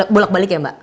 bolak balik ya mbak